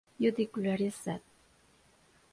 Utricularia sect.